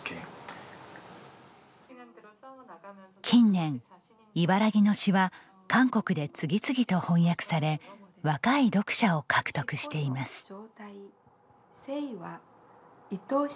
近年茨木の詩は韓国で次々と翻訳され若い読者を獲得しています。